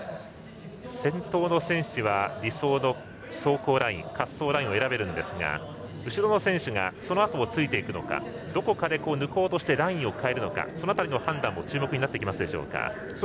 先頭の選手は理想の走行ラインを選べるんですが、後ろの選手がそのあとをついていくのかどこかで抜こうとしてラインを変えるのかその辺りの判断も注目になってきますでしょうか。